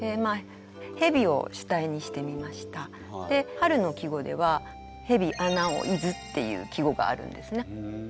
春の季語では「蛇穴を出づ」っていう季語があるんですね。